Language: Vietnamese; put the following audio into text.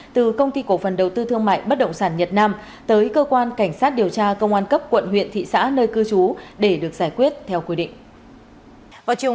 từ công ty cổ phần đầu tư thương mại bất động sản nhật nam tới cơ quan cảnh sát điều tra công an cấp quận huyện thị xã nơi cư trú để được giải quyết theo quy định